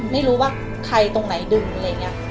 ไม่รู้ว่าใครตรงไหนดึงได้